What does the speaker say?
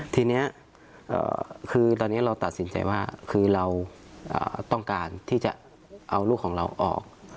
ทีนี้คือตอนนี้เราตัดสินใจว่าคือเราต้องการที่จะเอาลูกของเราออก